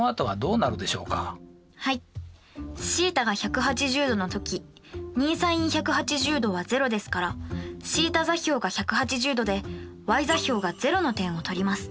θが１８０°の時２ｓｉｎ１８０°は０ですからθ座標が１８０°でｙ座標が０の点を取ります。